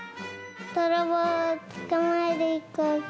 どろぼうをつかまえるひこうき。